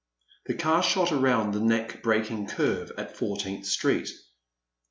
The car shot around the neck breaking curve at Fourteenth Street.